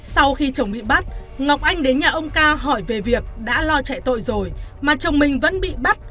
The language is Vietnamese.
sau khi chồng bị bắt ngọc anh đến nhà ông ca hỏi về việc đã lo chạy tội rồi mà chồng mình vẫn bị bắt